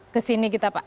kesini kita pak